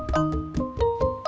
udah tahan kelar